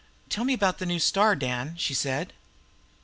"Tell me about the new star, Dan," she said.